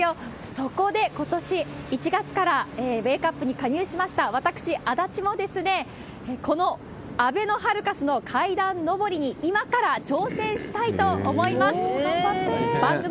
そこでことし、１月からウェークアップに加入しました私、足立もこのあべのハルカスの階段上りに、今から挑戦したいと思います。